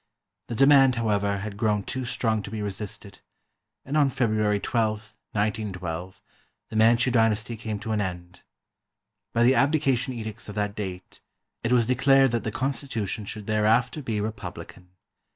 The demand, however, had grown too strong to be resisted, and on February 12, 191 2, the Manchu Dynasty came to an end. By the Abdication Edicts of that date, it was declared that the constitution should thereafter be republican.